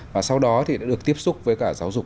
và sau đó thì đã được tiếp xúc với cả giáo dục